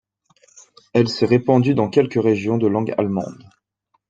Elle s'est répandue dans quelques régions de langue allemande.